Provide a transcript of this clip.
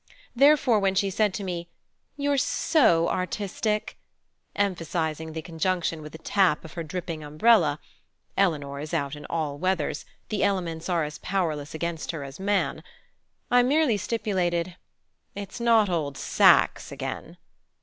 Therefore when she said to me, "You're so artistic." emphasizing the conjunction with a tap of her dripping umbrella (Eleanor is out in all weathers: the elements are as powerless against her as man), I merely stipulated, "It's not old Saxe again?"